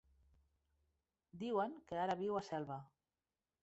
Diuen que ara viu a Selva.